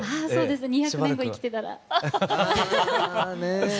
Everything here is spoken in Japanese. そうです。